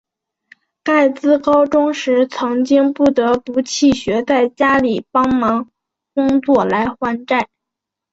盖茨高中时曾经不得不弃学在家里帮助工作来还债。